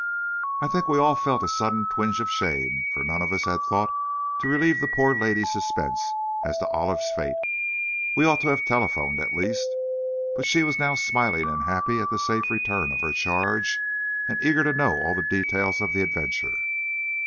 I think we all felt a sudden twinge of shame, for none of us had thought to relieve the poor lady's suspense as to Olive's fate! We ought to have telephoned, at least. But she was now smiling and happy at the safe return of her charge and eager to know all the details of the adventure.